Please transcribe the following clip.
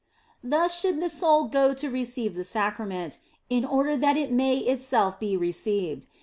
Thus should the soul go to receive the Sacrament, in order that it may itself be received.